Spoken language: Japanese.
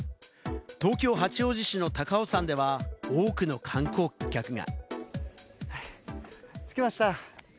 東京・八王子市の高尾山では、多くの観光客が。